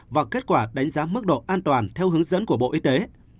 và kết quả đánh giá mức độ an toàn theo hướng dẫn của bộ y tế